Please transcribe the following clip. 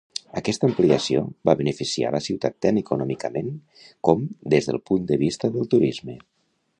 Aquesta ampliació va beneficiar la ciutat tant econòmicament com des del punt de vista del turisme.